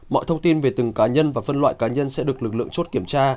mọi thông tin về từng cá nhân và phân loại cá nhân sẽ được lực lượng chốt kiểm tra